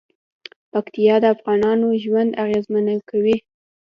پکتیا د افغانانو ژوند اغېزمن کوي.